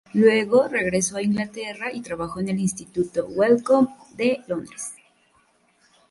Luego, regresó a Inglaterra, y trabajó en el Instituto Wellcome de Londres.